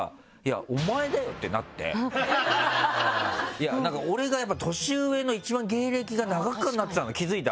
いや俺がやっぱ年上の一番芸歴が長くなってたの気付いたら。